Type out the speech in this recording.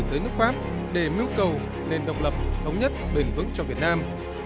đối với nước pháp để mưu cầu nền độc lập thống nhất bền vững cho việt nam